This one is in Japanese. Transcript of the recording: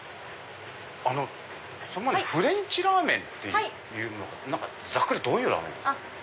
あのその前にフレンチラーメンっていうのはざっくりどういうラーメンですか？